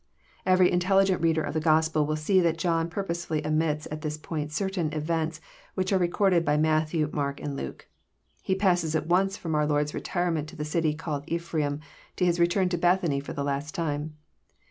'} Every intelligent reader of the Gospel will see that John purposely omits at this point certain events which are recorded by Matthew, Mark, and Luke. He passes at once from our Lord's retirement to the city called Ephralm to His return to Bethany for the last time.